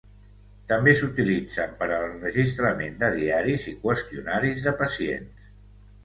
També s'utilitzen per a l'enregistrament de diaris i qüestionaris de pacients.